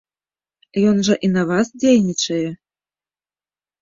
Ён жа і на вас дзейнічае.